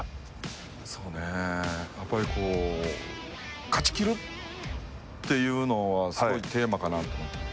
やっぱり、勝ちきるっていうのはすごいテーマかなと思って。